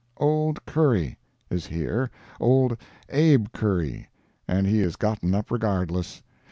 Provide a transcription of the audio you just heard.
Old Curry Is here—old Abe Curry. And he is gotten up "regardless."